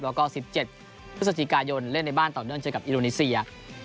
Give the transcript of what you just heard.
แล้วก็๑๗พฤศจิกายนเล่นในบ้านต่อเนื่องเจอกับอินโดนีเซีย